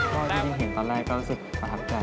ก็ที่เห็นตอนแรกก็รู้สึกประทับใจ